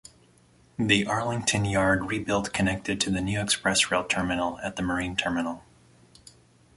The Arlington Yard re-built connected to the new ExpressRail terminal at the marine terminal.